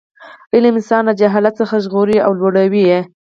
علم انسان له جهالت څخه ژغوري او لوړوي.